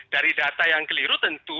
dari data yang keliru tentu